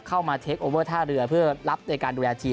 มาเทคโอเวอร์ท่าเรือเพื่อรับในการดูแลทีม